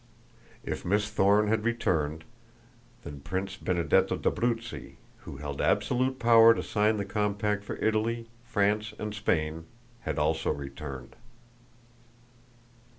If Miss Thorne had returned, then Prince Benedetto d'Abruzzi, who held absolute power to sign the compact for Italy, France and Spain, had also returned.